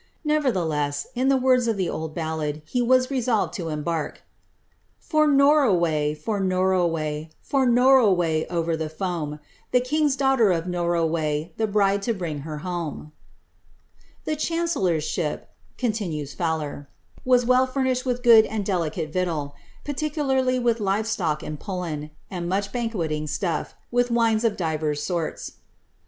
Nevertheless, in the words of the old ballad, he was resolved to em htrk— •*For Norroway, for Norroway, For Norroway over the foam, Tho king's daughter of Norroway,' The bride to bring her home.'* ^ The chancellor's ship," continues Fowler, ^ was well furnished with good and delicate victual, particularly with live stock and pullen^ and nuch banqueting stufi^ with wines of divers sorts."